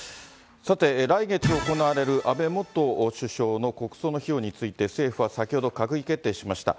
さて、来月行われる安倍元首相の国葬の費用について、政府は先ほど閣議決定しました。